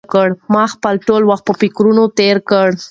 ما خپل ټول وخت په فکرونو کې تېر کړ.